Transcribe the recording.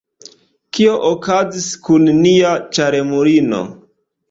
Kio okazis kun nia ĉarmulino?